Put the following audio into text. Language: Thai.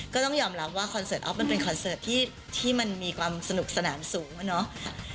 ก็ต้องยอมรับว่าคอนเสิร์ตออฟมันเป็นคอนเสิร์ตที่มันมีความสนุกสนานสูงอะเนาะ